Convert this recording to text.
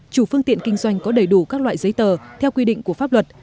chủ phương tiện kinh doanh có đầy đủ các loại giấy tờ theo quy định của pháp luật